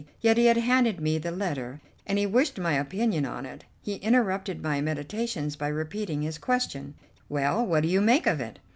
Yet he had handed me the letter, and he wished my opinion on it. He interrupted my meditations by repeating his question: "Well, what do you make of it?"